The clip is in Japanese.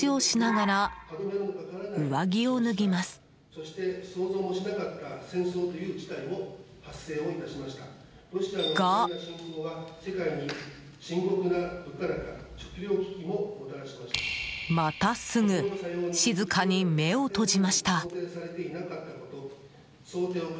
がまたすぐ静かに目を閉じました。